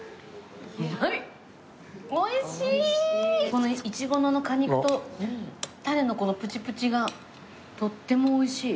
このいちごの果肉と種のこのプチプチがとっても美味しい！